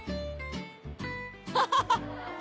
「ハハハ！